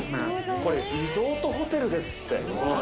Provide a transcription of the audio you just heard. これ、リゾートホテルですって。